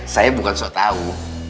saya bukan sok tau